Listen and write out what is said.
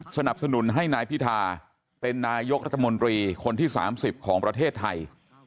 สนับสนุนให้นายพิธาเป็นนายกรัฐมนตรีคนที่๓๐ของประเทศไทย